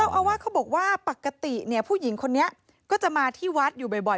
อาวาสเขาบอกว่าปกติผู้หญิงคนนี้ก็จะมาที่วัดอยู่บ่อย